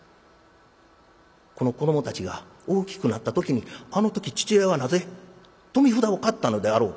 この子どもたちが大きくなった時にあの時父親はなぜ富札を買ったのであろう？